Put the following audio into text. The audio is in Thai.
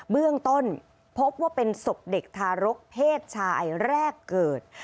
เบื้องต้นพบว่าเป็นศพเด็กทารกเพศชายแรกเกิด